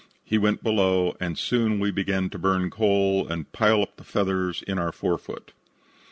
He went below, and soon we began to burn coal and pile up the feathers in our forefoot.